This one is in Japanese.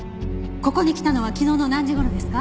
ここに来たのは昨日の何時頃ですか？